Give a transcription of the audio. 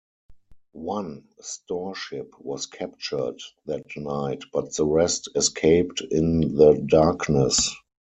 One storeship was captured that night, but the rest escaped in the darkness.